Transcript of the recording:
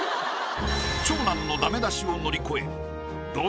長男のダメ出しを乗り越えおお。